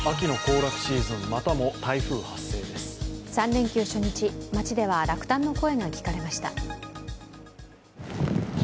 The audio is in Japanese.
３連休初日、街では落胆の声が聞かれました。